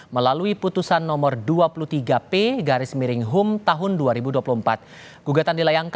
melalui putusan nomor dua puluh tiga p garis miring hum tahun dua ribu dua puluh empat